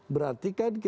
berarti kan kita terpaksa